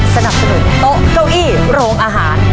สนับสนุนโต๊ะเก้าอี้โรงอาหาร